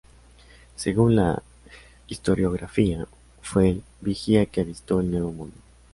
Según la historiografía, fue el vigía que avistó el Nuevo Mundo.